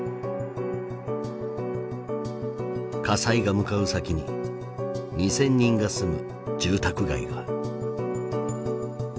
火災が向かう先に２，０００人が住む住宅街が。